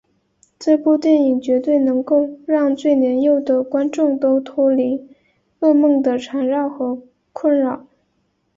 这部电影绝对能够让最年幼的观众都脱离噩梦的缠绕和困扰。